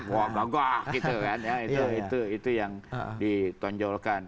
wah gagah gitu kan ya itu yang ditonjolkan